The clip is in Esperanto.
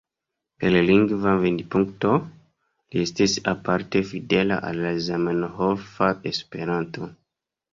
El lingva vidpunkto, li estis aparte fidela al la zamenhofa Esperanto.